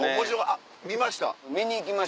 あっ見ました？